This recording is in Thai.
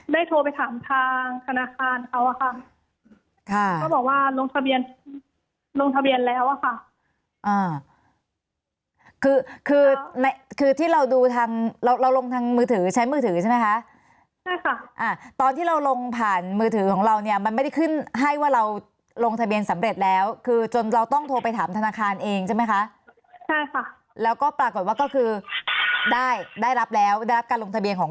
โทรไปถามทางธนาคารเขาอะค่ะก็บอกว่าลงทะเบียนลงทะเบียนแล้วอ่ะค่ะอ่าคือคือในคือที่เราดูทางเราเราลงทางมือถือใช้มือถือใช่ไหมคะใช่ค่ะอ่าตอนที่เราลงผ่านมือถือของเราเนี่ยมันไม่ได้ขึ้นให้ว่าเราลงทะเบียนสำเร็จแล้วคือจนเราต้องโทรไปถามธนาคารเองใช่ไหมคะใช่ค่ะแล้วก็ปรากฏว่าก็คือได้ได้รับแล้วได้รับการลงทะเบียนของ